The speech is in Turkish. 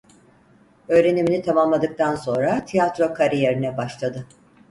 Öğrenimini tamamladıktan sonra tiyatro kariyerine başladı.